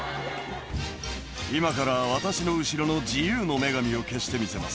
「今から私の後ろの自由の女神を消してみせます」